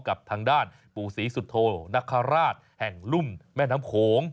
กับทางด้านปู่ศรีสุโธนคราชแห่งลุ่มแม่น้ำโขง